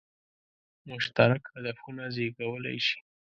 مشترک هدفونه زېږولای شي.